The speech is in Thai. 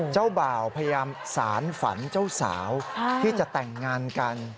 เจ้าบ่าวพยายามสารฝันเจ้าสาวที่จะแต่งงานกัน